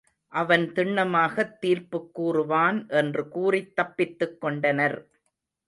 அவன் திண்ணமாகத் தீர்ப்புக் கூறுவான் என்று கூறித் தப்பித்துக் கொண்டனர்.